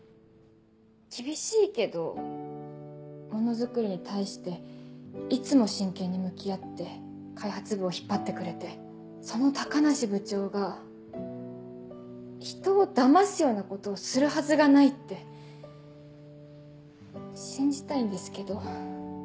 厳しいけどものづくりに対していつも真剣に向き合って開発部を引っ張ってくれてその高梨部長が人をだますようなことをするはずがないって信じたいんですけど。